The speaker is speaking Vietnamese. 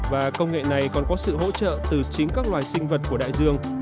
và công nghệ này còn có sự hỗ trợ từ chính các loài sinh vật của đại dương